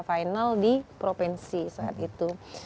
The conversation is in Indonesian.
final di provinsi saat itu